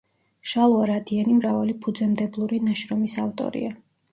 შალვა რადიანი მრავალი ფუძემდებლური ნაშრომის ავტორია.